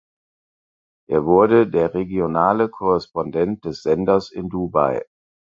Er wurde der regionale Korrespondent des Senders in Dubai.